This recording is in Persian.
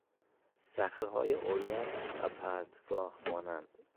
صخرههای عریان و پرتگاه مانند